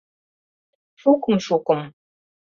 Шукым-шукым.